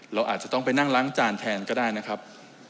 เราอาจจะต้องไปนั่งล้างจานแทนก็ได้นะครับ